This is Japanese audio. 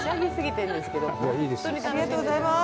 ありがとうございます。